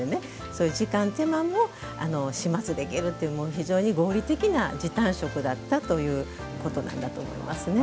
そういう時間、手間も始末できるっていう非常に合理的な時短食だったということなんだと思いますね。